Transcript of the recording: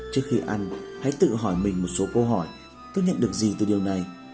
trước khi ăn hãy tự hỏi mình một số câu hỏi tôi nhận được gì từ điều này